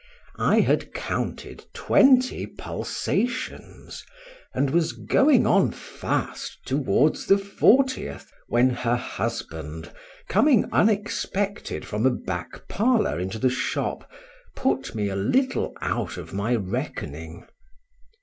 I HAD counted twenty pulsations, and was going on fast towards the fortieth, when her husband, coming unexpected from a back parlour into the shop, put me a little out of my reckoning.